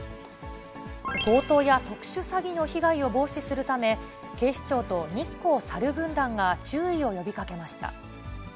強盗や特殊詐欺の被害を防止するため、警視庁と日光さる軍団が注意を呼びかけました。